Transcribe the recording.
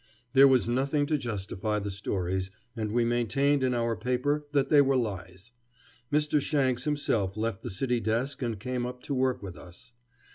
There was nothing to justify the stories, and we maintained in our paper that they were lies. Mr. Shanks himself left the city desk and came up to work with us.